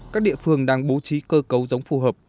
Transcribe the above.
các địa phương đang bố trí cơ cấu giống phù hợp